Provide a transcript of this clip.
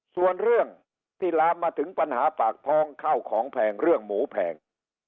ส่วนเรื่องที่ลามมาถึงปัญหาปากท้องเข้าของแพงเรื่องหมูแพง